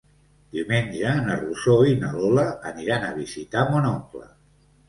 Diumenge na Rosó i na Lola aniran a visitar mon oncle.